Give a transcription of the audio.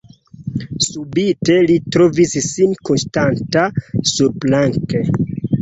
Subite li trovis sin kuŝanta surplanke.